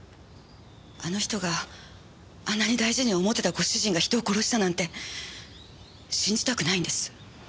あの人があんなに大事に思ってたご主人が人を殺したなんて信じたくないんです。